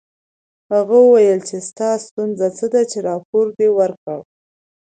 هغه وویل چې ستا ستونزه څه ده چې راپور دې ورکړ